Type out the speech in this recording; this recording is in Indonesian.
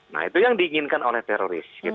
nah itu yang diinginkan oleh teroris